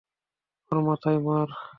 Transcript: ওর মাথায় মার।